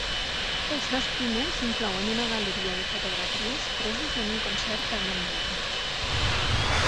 Els dos primers inclouen una galeria de fotografies preses en un concert a Melbourne.